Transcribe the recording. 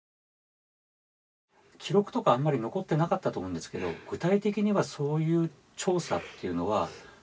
記録とかあんまり残ってなかったと思うんですけど具体的にはそういう調査というのはどうやって行うもんなんですか？